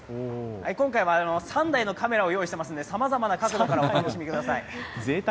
今回は３台のカメラを用意してますんでさまざまな角度からお楽しみください。